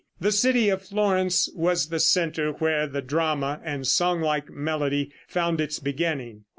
The city of Florence was the center where the drama and song like melody found its beginning.